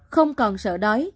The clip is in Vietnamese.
không còn sợ đói